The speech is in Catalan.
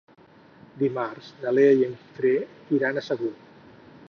Dimarts na Lea i en Guifré iran a Sagunt.